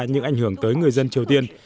những ảnh hưởng tới người dân triều tiên